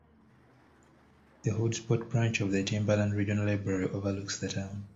The Hoodsport branch of the Timberland Regional Library overlooks the town.